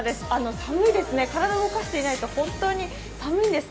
寒いですね、体を動かしていないと本当に寒いんです。